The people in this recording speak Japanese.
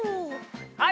はい！